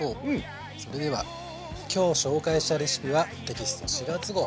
それでは今日紹介したレシピはテキスト４月号